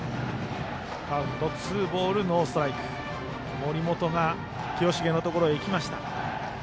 森本が清重のところに行きました。